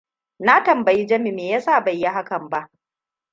Na tambayi Jami me yasa bai yi hakan ba.